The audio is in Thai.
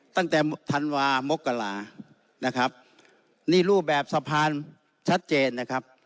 ธันวามกรานะครับนี่รูปแบบสะพานชัดเจนนะครับ